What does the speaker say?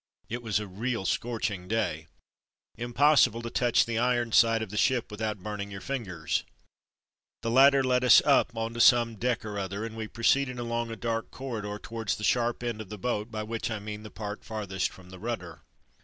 It was a real scorching day: impossible to touch the iron side of the ship without burning your fingers. The ladder led us up on to some deck or other, and we proceeded along a dark corridor towards the sharp end of the boat by which I mean the part farthest from the rudder.